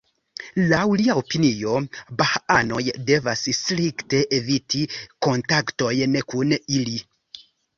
Laŭ lia opinio, bahaanoj devas strikte eviti kontaktojn kun ili.